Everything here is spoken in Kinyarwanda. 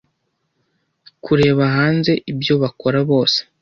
kureba hanze ibyo bakora bose